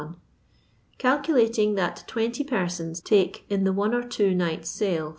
Calcdating that 20 persons take in the one or two nights' sale 4«.